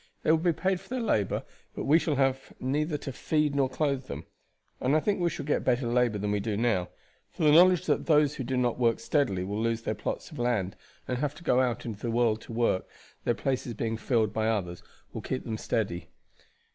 They will be paid for their labor, but we shall have neither to feed nor clothe them; and I think we shall get better labor than we do now, for the knowledge that those who do not work steadily will lose their plots of land, and have to go out in the world to work, their places being filled by others, will keep them steady."